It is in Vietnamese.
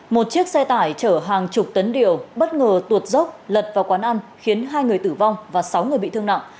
một chiếc xe tải chở hàng chục tấn điều bất ngờ tuột dốc lật vào quán ăn khiến hai người tử vong và sáu người bị thương nặng